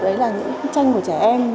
đấy là những cái tranh của trẻ em